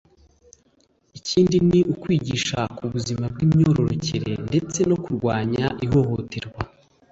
ikindi ni ukwigisha ku buzima bw’imyororokere ndetse no kurwanya ihohoterwa